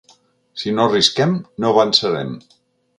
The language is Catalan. Si no arrisquem, no avançarem.